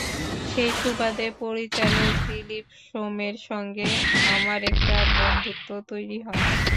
সেই সুবাদে পরিচালক দিলীপ সোমের সঙ্গে আমার একটা বন্ধুত্ব তৈরি হয়।